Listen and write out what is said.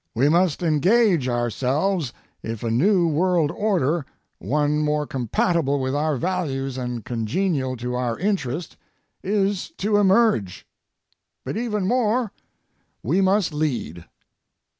We must engage ourselves if a new world order, one more compatible with our values and congenial to our interest, is to emerge. But even more, we must lead.